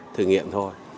thử nghiệm thôi